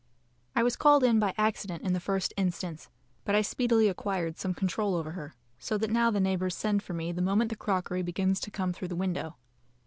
I was called in by accident in the first instance; but I speedily acquired some control over her, so that now the neighbours send for me the moment the crockery begins to come through the window.